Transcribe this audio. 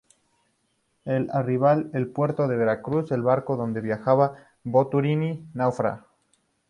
Al arribar al puerto de Veracruz, el barco donde viajaba Boturini naufragó.